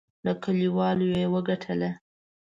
له کلیوالو یې وګټله.